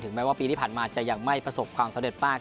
แม้ว่าปีที่ผ่านมาจะยังไม่ประสบความสำเร็จมาก